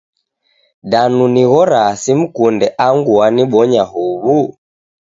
Danu nighoraa simkunde angu wanibonya huw'u?